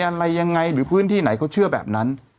อะไรยังไงหรือพื้นที่ไหนเขาเชื่อแบบนั้น